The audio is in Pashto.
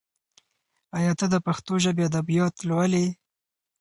ایا ته د پښتو ژبې ادبیات لولي؟